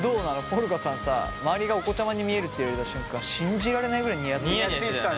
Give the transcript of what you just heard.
ポルカさんさ周りがお子ちゃまに見えるって言われた瞬間信じられないぐらいにやついてたけど。